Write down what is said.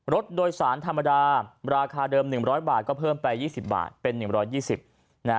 รถโดยสารธรรมดาราคาเดิม๑๐๐บาทก็เพิ่มไป๒๐บาทเป็น๑๒๐